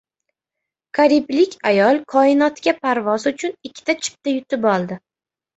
Kariblik ayol koinotga parvoz uchun ikkita chipta yutib oldi